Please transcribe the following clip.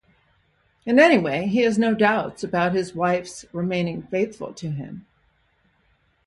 And anyway, he has no doubts about his wife's remaining faithful to him.